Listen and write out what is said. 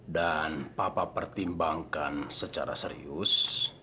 dan papa pertimbangkan secara serius